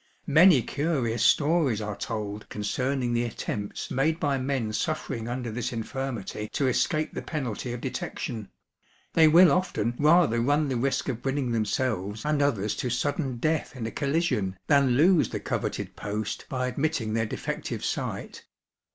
Many curious stories are told concerning the attempts made by men suffering under this infirmity to escape the penalty of detection; they will often rather run the risk of bringing themselves and others to sudden death in a collision, than lose the coveted post by admitting their defective sight.